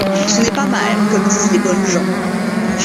Ce n’est pas mal, comme disent les bonnes gens.